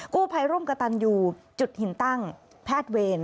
กู้ภัยร่วมกระตันยูจุดหินตั้งแพทย์เวร